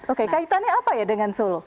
oke kaitannya apa ya dengan solo